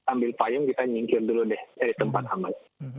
ambil payung kita nyingkir dulu deh dari tempat aman